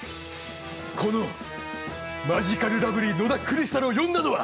このマヂカルラブリー野田クリスタルを呼んだのは。